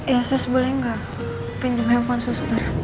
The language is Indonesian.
ya sus boleh gak pinjem handphone suster